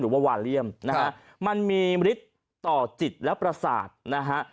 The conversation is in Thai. ว่าวาเลียมนะฮะมันมีฤทธิ์ต่อจิตและประสาทนะฮะ